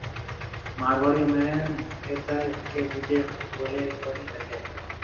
مارواڙيون ۾ مونگيتر ھيَََڪيَ ٻِيجيَ ھون ٻوليَ ڪونِي ھگيَ